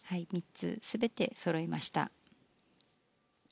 ３つ全てそろいました。